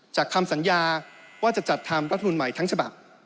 คำสัญญาว่าจะจัดทำรัฐมนุนใหม่ทั้งฉบับ